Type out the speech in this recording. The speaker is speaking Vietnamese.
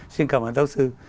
xin cảm ơn giáo sư